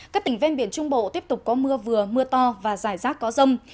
các tỉnh ven biển trung bộ tiếp tục có mưa vừa mưa to và giải rác có rông